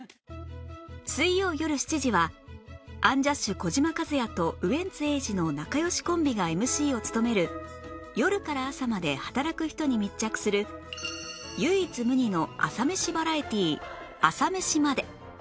水曜よる７時はアンジャッシュ児嶋一哉とウエンツ瑛士の仲良しコンビが ＭＣ を務める夜から朝まで働く人に密着する唯一無二の「朝メシバラエティー」『朝メシまで。』